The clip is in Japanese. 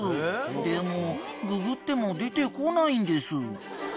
［でもググっても出てこないんです］